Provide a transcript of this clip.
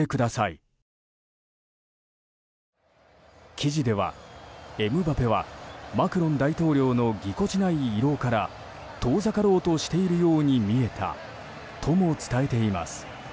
記事ではエムバペは、マクロン大統領のぎこちない慰労から遠ざかろうとしているように見えたとも伝えています。